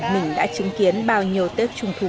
mình đã chứng kiến bao nhiêu tết trung thu